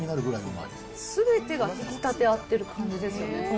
すべてが引き立て合ってる感じですよね。